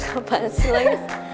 apaan sih lan